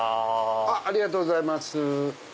ありがとうございます。